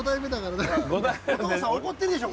お父さん怒ってるでしょ